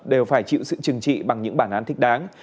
đều phải chịu sự trừng trị bằng những bản án thích đáng